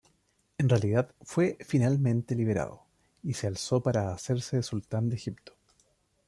En realidad, fue finalmente liberado, y se alzó para hacerse sultán de Egipto.